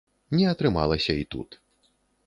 Не атрымалася і тут.